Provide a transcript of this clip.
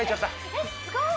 えっすごい！